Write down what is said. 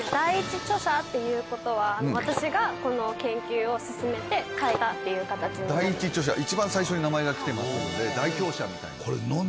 第一著者っていうことは私がこの研究を進めて書いたっていう形に第一著者一番最初に名前が来てますので代表者みたいなことです